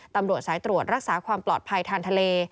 ตำรวจสายตรวจรักษาความปลอดภัยทางทะเล